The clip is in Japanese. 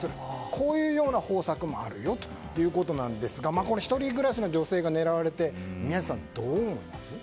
こういう方策もあるよということなんですが１人暮らしの女性が狙われて宮司さん、どう思います？